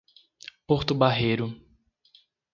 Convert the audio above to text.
Porto Barreiro